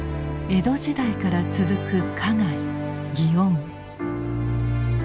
江戸時代から続く花街祇園。